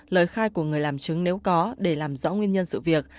lời khai của người làm chứng nếu có để làm rõ nguyên nhân sự việc